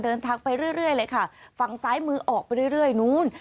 เดินทางไปเรื่อยเลยค่ะฝั่งซ้ายมือออกไปเรื่อยนู้น